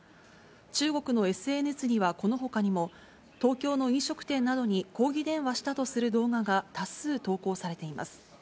中国のＳＮＳにはこのほかにも、東京の飲食店などに抗議電話したとする動画が多数投稿されています。